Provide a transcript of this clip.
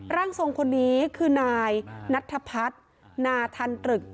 ร่างทรงคนนี้คือนายนัทพัฒนาทันตรึก